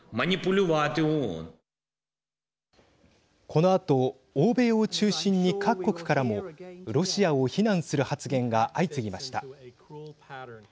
このあと、欧米を中心に各国からもロシアを非難する発言が相次ぎました。